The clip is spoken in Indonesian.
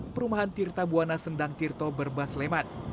perumahan tirta buwana sendang tirto berbas lemat